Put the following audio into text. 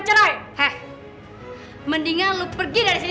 sekarang pergi dari sini